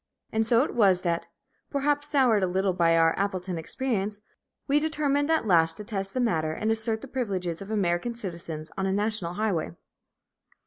And so it was that, perhaps soured a little by our Appleton experience, we determined at last to test the matter and assert the privileges of American citizens on a national highway.